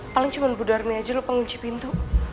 paling cuma bu dharmi aja lo pengunci pintu